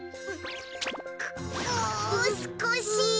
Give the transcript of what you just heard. もうすこし。